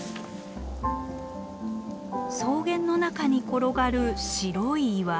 草原の中に転がる白い岩。